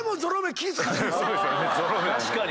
確かに。